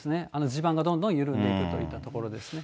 地盤がどんどん緩んでいくといったところですね。